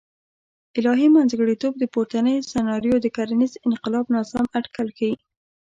الهي منځګړیتوب پورتنۍ سناریو د کرنیز انقلاب ناسم اټکل ښیي.